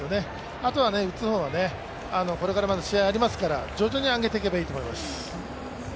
あとは打つ方はこれからまだ試合がありますから、徐々に上げていけばいいと思います。